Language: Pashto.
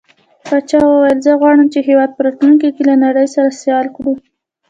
پاچا وويل: زه غواړم چې هيواد په راتلونکي کې له نړۍ سره سيال کړو.